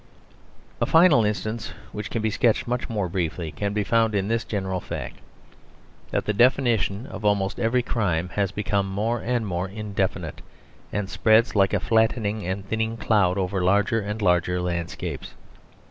A final instance, which can be sketched much more briefly, can be found in this general fact: that the definition of almost every crime has become more and more indefinite, and spreads like a flattening and thinning cloud over larger and larger landscapes.